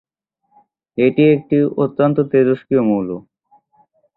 এটি একটি অত্যন্ত তেজস্ক্রিয় মৌল।